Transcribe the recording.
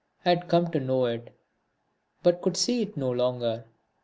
I had come to know it, but could see it no longer.